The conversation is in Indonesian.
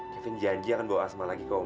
kevin janji akan bawa asma lagi ke oma